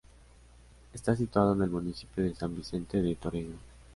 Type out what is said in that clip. Está situada en el municipio de San Vicente de Torelló.